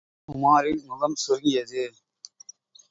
உமாரின் முகம் சுருங்கியது.